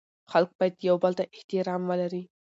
خلګ باید یوبل ته احترام ولري